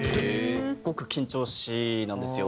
すごく緊張しいなんですよ